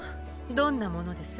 どんなものです？